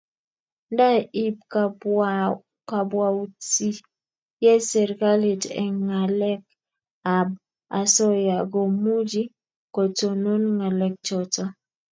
Nda ip kabkwautiet serikalit eng' ngalek ab asoya ko muchi kotonon ngalek chotok